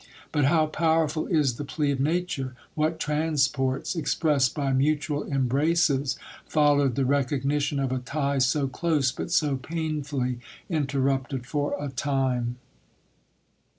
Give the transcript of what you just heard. But how powerful is the plea of nature !" What transports, expressed by mutual embraces, followed the recognition of a tie so close, but so painfully interrupted for a time